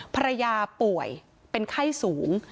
ภรรยาป่วยเป็นไข้สูง